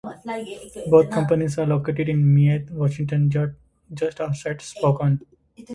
Both companies are located in Mead, Washington, just outside Spokane.